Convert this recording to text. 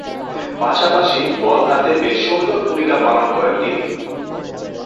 পাশাপাশি বল হাতে বেশ সুন্দর ভূমিকা পালন করেন তিনি।